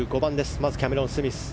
まずキャメロン・スミス。